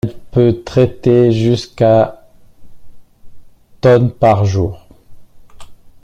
Elle peut traiter jusqu'à tonnes par jour.